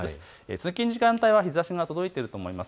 通勤時間帯は日ざしが届いていると思います。